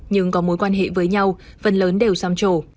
nhưng có mối quan hệ với nhau phần lớn đều xăm trổ